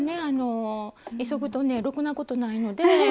あの急ぐとねろくなことないので。